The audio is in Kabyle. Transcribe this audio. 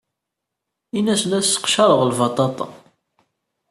Ini-as la sseqcareɣ lbaṭaṭa.